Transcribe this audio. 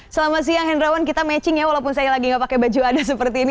selamat siang hendrawan kita matching ya walaupun saya lagi nggak pakai baju adat seperti ini